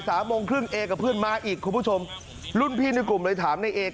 เขาเล่าบอกว่าเขากับเพื่อนเนี่ยที่เรียนกรสนด้วยกันเนี่ยไปสอบที่โรงเรียนปลูกแดงใช่ไหม